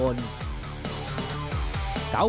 โอฮโอฮโอฮโอฮ